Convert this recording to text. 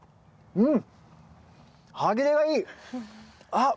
うん！